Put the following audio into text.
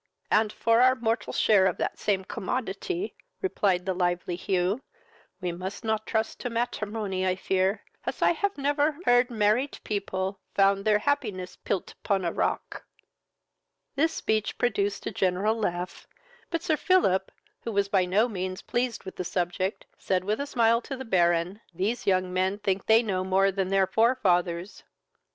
"And for our mortal share of that same commodity, (replied the lively Hugh,) we must not trust to matrimony, I fear, as I never heard married people found their happiness puilt upon a rock." This speech produced a general laugh, but Sir Philip, who was by no means pleased with the subject, said with a smile to the Baron, "These young men think they know more than their forefathers."